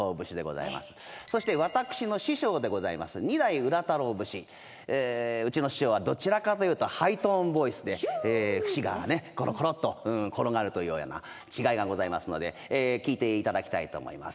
そして私の師匠でございます二代浦太郎節うちの師匠はどちらかというとハイトーンボイスで節がころころっと転がるというような違いがございますので聴いていただきたいと思います。